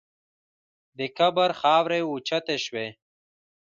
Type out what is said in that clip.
د قبر خاورې اوچتې شوې.